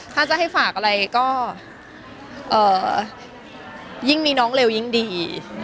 ถ้าจะให้ฝากอะไรก็ยิ่งมีน้องเร็วยิ่งดี